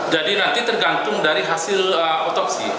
jadi nanti tergantung dari hasil otopsi